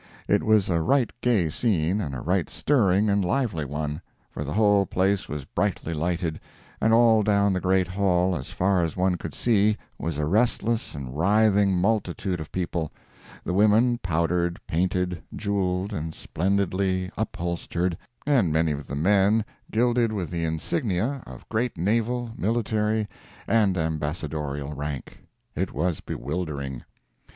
It was a right gay scene, and a right stirring and lively one; for the whole place was brightly lighted, and all down the great hall, as far as one could see, was a restless and writhing multitude of people, the women powdered, painted, jewelled, and splendidly upholstered, and many of the men gilded with the insignia of great naval, military, and ambassadorial rank. It was bewildering.